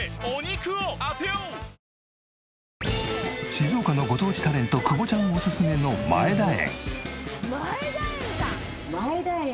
静岡のご当地タレント久保ちゃんおすすめのまえだ苑。